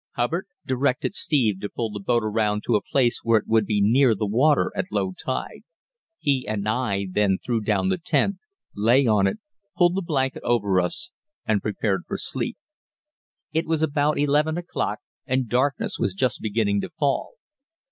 Hubbard directed Steve to pull the boat around to a place where it would be near the water at low tide. He and I then threw down the tent, lay on it, pulled a blanket over us and prepared for sleep. It was about eleven o'clock, and darkness was just beginning to fall.